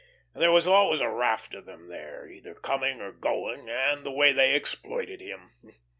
There was always a raft of them there, either coming or going; and the way they exploited him!